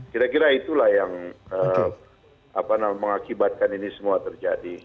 kira kira itulah yang mengakibatkan ini semua terjadi